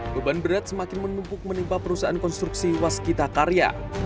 beban berat semakin menumpuk menimpa perusahaan konstruksi waskita karya